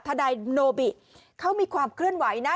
ทนายโนบิเขามีความเคลื่อนไหวนะ